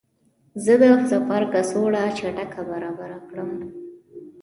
زه د سفر کڅوړه چټکه برابره کړم.